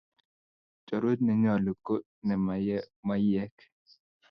Chorwet ne nyalu ko nema yee maiyek